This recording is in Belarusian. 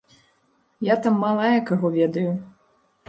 Я там малая каго ведаю.